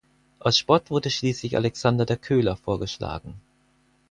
Aus Spott wurde schließlich Alexander der Köhler vorgeschlagen.